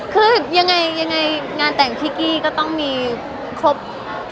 คือยังไงงานแต่งพี่กี้ก็ต้องมีครบ